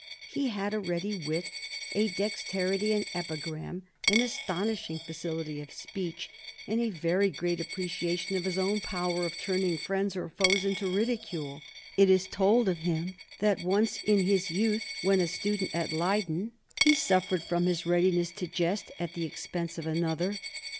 He had a ready wit, a dexterity in epigram, an astonishing facility of speech, and a very great appreciation of his own power of turning friends or foes into ridicule. It is told of him that once in his youth, when a student at Leyden, he suffered from his readiness to jest at the expense of another.